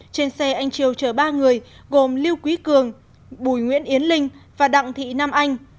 trên xe anh triều chở ba người gồm lưu quý cường bùi nguyễn yến linh và đặng thị nam anh